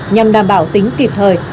nhằm đảm bảo tính kịp thời